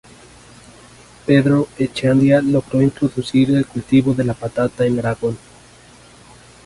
Pedro Echeandía logró introducir el cultivo de la patata en Aragón.